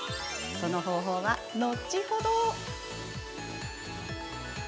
その方法は、後ほど。